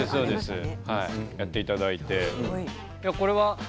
やっていただいてこれは。